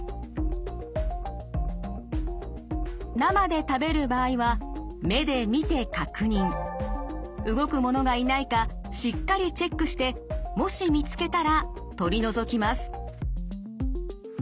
生で食べる場合は目で見て確認動くものがいないかしっかりチェックしてもし見つけたら取り除きます。